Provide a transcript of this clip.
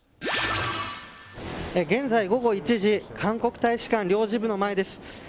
現在、午後１時韓国大使館領事部の前です。